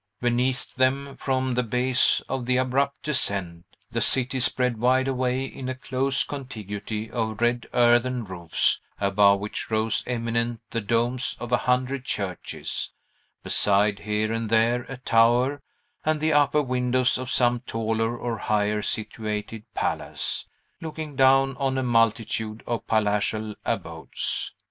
Beneath them, from the base of the abrupt descent, the city spread wide away in a close contiguity of red earthen roofs, above which rose eminent the domes of a hundred churches, beside here and there a tower, and the upper windows of some taller or higher situated palace, looking down on a multitude of palatial abodes.